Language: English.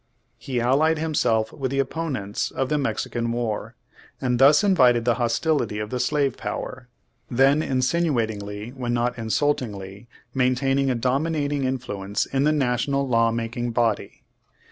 He allied him self with the opponents of the Mexican war, and thus invited the hostility of the slave power, then insinuatingly when not insultingly maintaining a dominating influence in the National law making body.